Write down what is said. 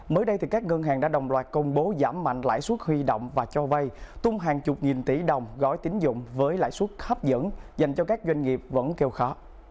mới đây các ngân hàng đã đồng loạt công bố giảm mạnh lãi suất huy động và cho vay tung hàng chục nghìn tỷ đồng gói tín dụng với lãi suất hấp dẫn dành cho các doanh nghiệp vẫn kêu khó